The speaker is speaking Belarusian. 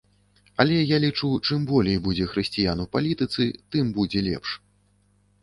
Але я лічу, чым болей будзе хрысціян у палітыцы, тым будзе лепш.